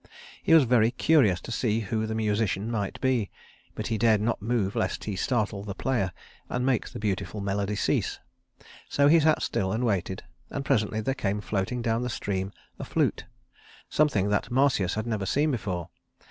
He was very curious to see who the musician might be, but he dared not move lest he startle the player and make the beautiful melody cease. So he sat still and waited; and presently there came floating down the stream a flute something that Marsyas had never seen before.